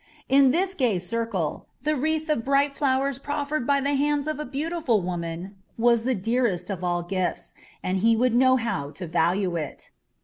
In this gay circle, the wreath of bright flowers proffered by the hands of a beautiful woman was the dearest of all gifts, and he would know how to value it.